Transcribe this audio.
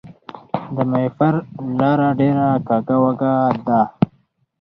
د ماهیپر لاره ډیره کږه وږه ده